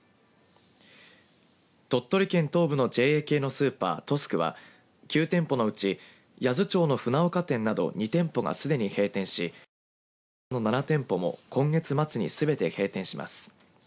鳥取県東部のＪＡ系のスーパートスクは９店舗のうち八頭町のふなおか店など２店舗がすでに閉店しそのほかの７店舗も今月末にすべて閉店します。